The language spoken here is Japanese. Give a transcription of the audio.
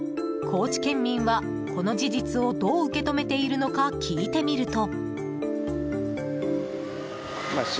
高知県民は、この事実をどう受け止めているのか聞いてみると。